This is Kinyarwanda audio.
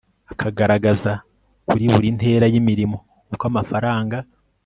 akagaragaza kuri buri ntera y imirimo uko amafaranga